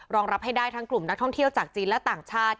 รองรับให้ได้ทั้งกลุ่มนักท่องเที่ยวจากจีนและต่างชาติ